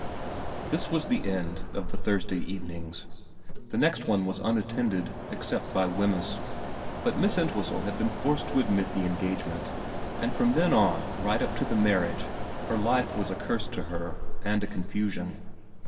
This was the end of the Thursday evenings. The next one was unattended, except by Wemyss ; but Miss Entwhistle had been forced to admit the engage ment, and from then on right up to the marriage her life was a curse to her and a confusion.